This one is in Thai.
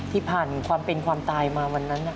ผ่านความเป็นความตายมาวันนั้น